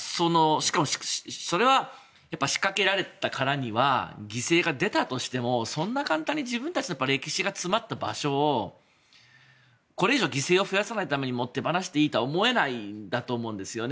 それは、仕掛けられたからには犠牲が出たとしてもそんな簡単に自分たちの歴史が詰まった場所をこれ以上犠牲を増やさないために手放していいとは思えないんだと思うんですよね。